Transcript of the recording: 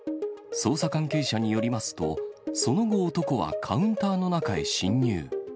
捜査関係者によりますと、その後、男はカウンターの中へ侵入。